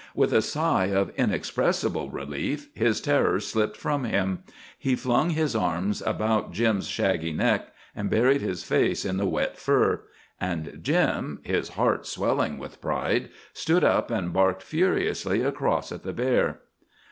With a sigh of inexpressible relief his terror slipped from him. He flung his arms about Jim's shaggy neck and buried his face in the wet fur. And Jim, his heart swelling with pride, stood up and barked furiously across at the bear.